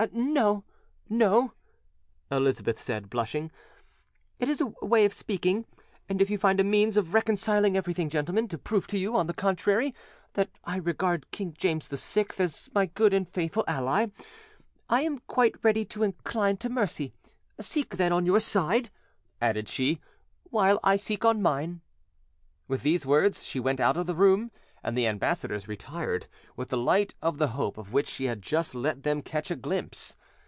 "No, no," Elizabeth said, blushing; "it is a way of speaking: and if you find a means of reconciling everything, gentlemen, to prove to you, on the contrary, that I regard King James VI as my good and faithful ally, I am quite ready to incline to mercy. Seek, then, on your side" added she, "while I seek on mine." With these words, she went out of the room, and the ambassadors retired, with the light of the hope of which she had just let them catch a glimpse.